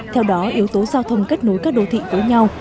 theo đó yếu tố giao thông kết nối các đô thị với nhau